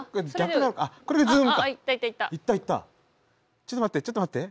ちょっと待ってちょっと待って。